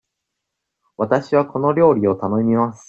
わたしはこの料理を頼みます。